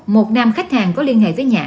một nam khách hàng có liên hệ với nhã